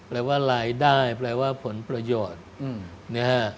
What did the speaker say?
แปลว่ารายได้แปลว่าผลประโยชน์นะฮะ